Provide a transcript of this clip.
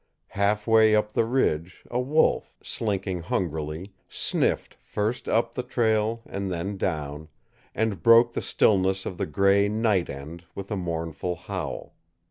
Half way up the ridge a wolf, slinking hungrily, sniffed first up the trail and then down, and broke the stillness of the gray night end with a mournful howl.